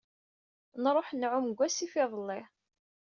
Nruḥ nɛumm deg wasif iḍelli.